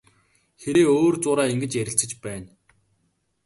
Хэрээ өөр зуураа ингэж ярилцаж байна.